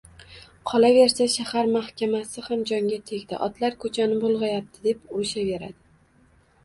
Qolaversa, shahar mahkamasi ham jonga tegdi otlar ko`chani bulg`ayapti, deb urishaveradi